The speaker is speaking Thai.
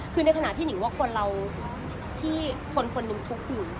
คือในขณะที่หนิงว่าคนเราที่คนคนหนึ่งทุกข์อยู่